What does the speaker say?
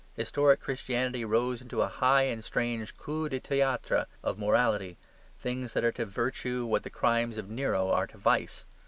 Historic Christianity rose into a high and strange COUP DE THEATRE of morality things that are to virtue what the crimes of Nero are to vice.